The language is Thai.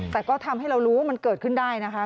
แต่ก็ทำให้เรารู้ว่ามันเกิดขึ้นได้นะคะ